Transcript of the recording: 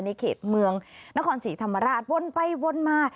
ในเขตเมืองนครศรีธรรมราชวนไปวนมา